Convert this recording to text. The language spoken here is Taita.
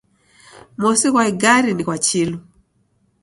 Mosi ghwa igari ni ghwa chilu